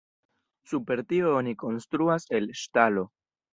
Super tio oni konstruas el ŝtalo.